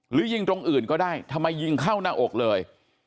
ยิงตรงอื่นก็ได้ทำไมยิงเข้าหน้าอกเลย